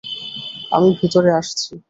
আমি ভিতরে আসছি।